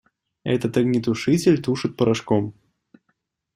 Этот огнетушитель тушит порошком.